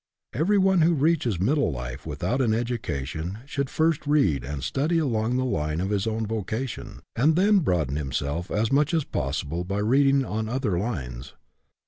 Everyone who reaches middle life without an education should first read and study along the line of his own voca tion, and then broaden himself as much as possible by reading on other lines.